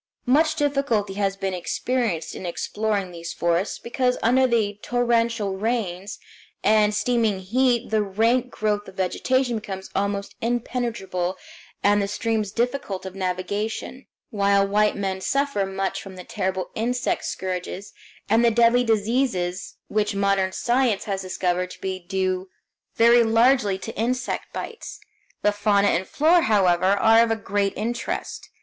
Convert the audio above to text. Much difficulty has been experienced in exploring these forests, because under the torrential rains and steaming heat the rank growth of vegetation becomes almost impenetrable, and the streams difficult of navigation; while white men suffer much from the terrible insect scourges and the deadly diseases which modern science has discovered to be due very largely to insect bites. The fauna and flora, however, are of great interest.